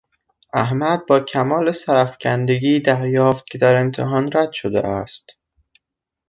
احمد با کمال سرافکندگی دریافت که در امتحان رد شده است.